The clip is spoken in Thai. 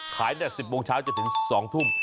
ขายใน๑๐โมงเช้าจนถึง๒ทุ่ม